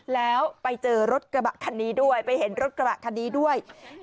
แล้วไปเจอรถกระบะคันนี้ด้วยไปเห็นรถกระบะคันนี้ด้วย